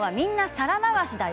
皿回しだよ」。